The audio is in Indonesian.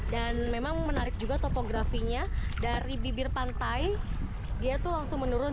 dan memang menarik juga topografinya dari bibir pantai dia tuh langsung menurun